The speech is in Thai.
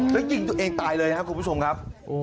แล้วยิงตัวเองตายเลยครับคุณผู้ชมครับ